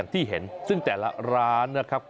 ที่เห็นซึ่งแต่ละร้านนะครับ